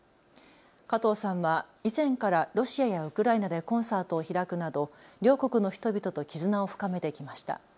加藤さんは以前からロシアやウクライナでコンサートを開くなど両国の人々と絆を深めてきました。